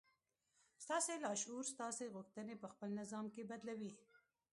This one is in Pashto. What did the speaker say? ستاسې لاشعور ستاسې غوښتنې پهخپل نظام کې بدلوي